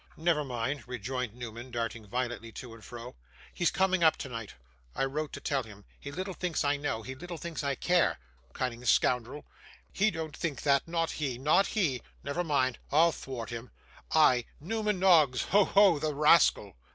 'Never mind,' rejoined Newman, darting violently to and fro. 'He's coming up tonight: I wrote to tell him. He little thinks I know; he little thinks I care. Cunning scoundrel! he don't think that. Not he, not he. Never mind, I'll thwart him I, Newman Noggs. Ho, ho, the rascal!